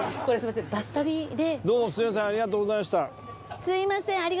これすいません